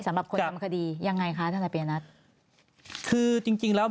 สำหรับคนทำคดียังไงคะธนายปียนัทคือจริงจริงแล้ว